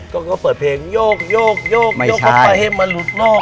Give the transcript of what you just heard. ก็เปิดเพลงโยกเข้าไปให้มันหลุดนอก